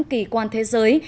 kỳ quan thế giới